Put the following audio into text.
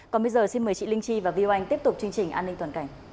còn bây giờ xin mời chị linh chi và viu anh tiếp tục chương trình an ninh toàn cảnh